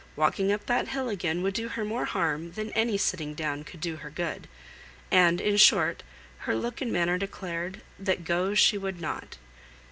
walking up that hill again would do her more harm than any sitting down could do her good;" and, in short, her look and manner declared, that go she would not.